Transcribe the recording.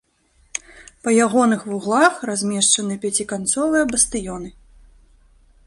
Па ягоных вуглах размешчаны пяціканцовыя бастыёны.